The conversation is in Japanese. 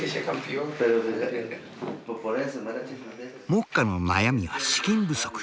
目下の悩みは資金不足。